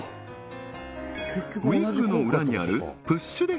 ウィッグの裏にあるプッシュｄｅ